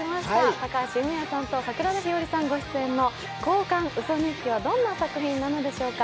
高橋文哉さんと桜田ひよりさんご出演の「交換ウソ日記」はどんな作品なのでしょうか。